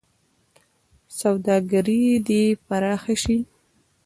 سوداګري دې پراخه شي.